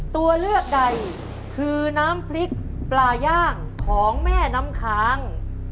ตัวเลือกใดคือน้ำพริกปลาย่างของแม่น้ำค้าง